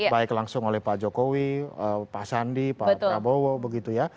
baik langsung oleh pak jokowi pak sandi pak prabowo begitu ya